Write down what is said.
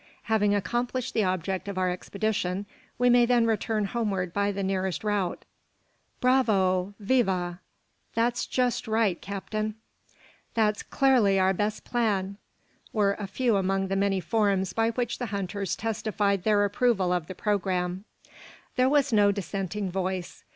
Having accomplished the object of our expedition, we may then return homeward by the nearest route." "Bravo!" "Viva!" "That's jest right, captain!" "That's clarly our best plan!" were a few among the many forms by which the hunters testified their approval of the programme. There was no dissenting voice.